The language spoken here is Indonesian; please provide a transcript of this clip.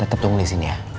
mama tetap tunggu disini ya